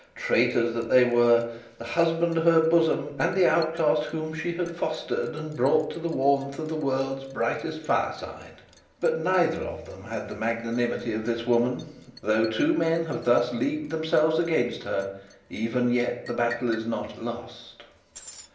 Traitors that they were; the husband of her bosom, and the outcast whom she had fostered and brought into the warmth of the world's brightest fireside! But neither of them had the magnanimity of this woman. Though two men have thus leagued themselves together against her, even yet the battle is not lost.